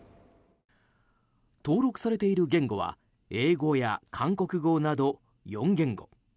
登録されている言語は英語や韓国語など４言語。